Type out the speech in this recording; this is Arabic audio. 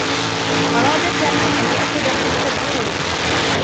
أراد سامي أن يأخذ تلك الدّروس.